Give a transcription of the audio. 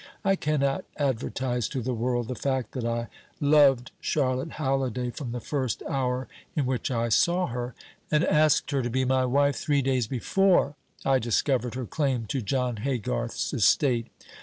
I cannot advertise to the world the fact that I loved Charlotte Halliday from the first hour in which I saw her, and asked her to be my wife three days before I discovered her claim to John Haygarth's estate.